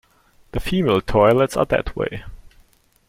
The female toilets are that way.